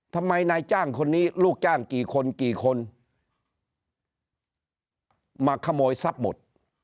นายจ้างคนนี้ลูกจ้างกี่คนกี่คนมาขโมยทรัพย์หมด